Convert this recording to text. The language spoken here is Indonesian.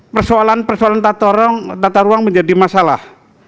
persoalan persoalan tata ruang menjadi masalah